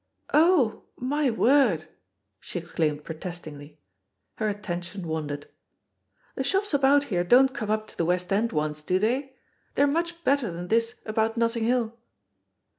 ^^Ohj my word!" she exclaimed protestingly. Her attention wandered. "The shops about here don't come up to the West End ones, do they? They're much better than this about Notting Hill."